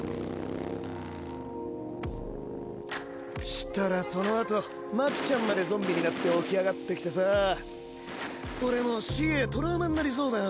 したらそのあとマキちゃんまでゾンビになって起き上がってきてさぁ俺もうＣＡトラウマになりそうだよ。